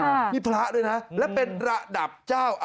อาวาสมีการฝังมุกอาวาสมีการฝังมุกอาวาสมีการฝังมุก